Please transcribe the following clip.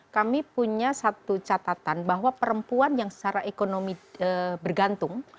kami punya satu catatan bahwa perempuan yang secara ekonomi bergantung